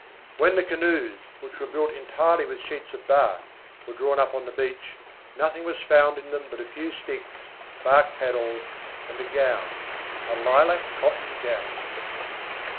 When the canoes, which were built entirely with sheets of bark, were drawn up on the beach, nothing was found in them but a few sticks, bark paddles, and a gown a lilac cotton gown.